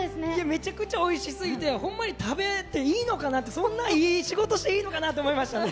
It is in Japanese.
めちゃくちゃおいしすぎて、ほんまに食べていいのかなって、そんないい仕事していいのかなって思いましたね。